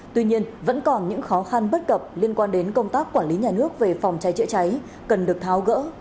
tuy nhiên vẫn còn những khó khăn bất cập liên quan đến công tác quản lý nhà nước về phòng trái trễ trái cần được tháo gỡ